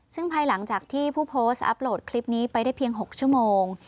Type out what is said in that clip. ซึ่งภายหลังจากที่ผู้โพสต์อัพโหลดคลิปนี้ไปได้เพียง๖ชั่วโมง